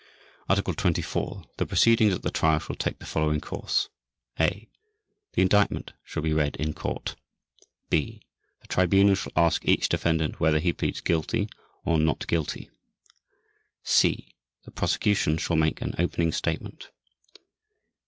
Article 24. The proceedings at the Trial shall take the following course: (a) The Indictment shall be read in court. (b) The Tribunal shall ask each defendant whether he pleads "guilty" or "not guilty". (c) The Prosecution shall make an opening statement.